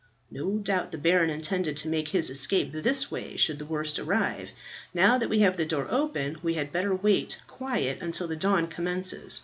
No doubt the baron intended to make his escape this way, should the worst arrive. Now that we have the door open we had better wait quiet until the dawn commences.